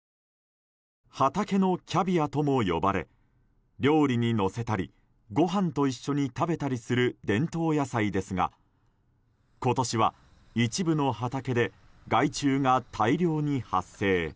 畑のキャビアとも呼ばれ料理にのせたりご飯と一緒に食べたりする伝統野菜ですが今年は、一部の畑で害虫が大量に発生。